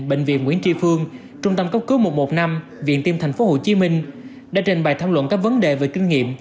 bệnh viện nguyễn tri phương trung tâm cấp cứu một trăm một mươi năm viện tim tp hcm đã trình bày tham luận các vấn đề về kinh nghiệm